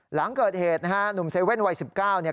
หลังเกิดเหตุหนุ่มเซเว่นวัย๑๙